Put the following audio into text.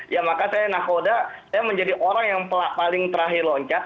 ya maka saya nakoda saya menjadi orang yang paling terakhir loncat